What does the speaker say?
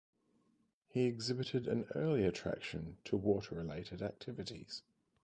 He exhibited an early attraction to water-related activities.